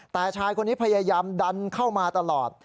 แต่ชายคนนี้พยายามดันเข้ามาตลอด